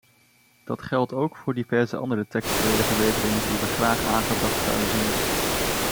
Dat geldt ook voor diverse andere tekstuele verbeteringen die we graag aangebracht zouden zien.